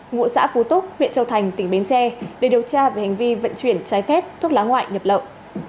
ngụ xã phú túc huyện châu thành tỉnh bến tre để điều tra về hành vi vận chuyển trái phép thuốc lá ngoại nhập lậu